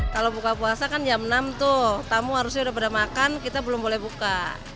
kalau buka puasa kan jam enam tuh tamu harusnya udah pada makan kita belum boleh buka